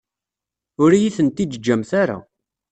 Ur iyi-tent-id-teǧǧamt ara.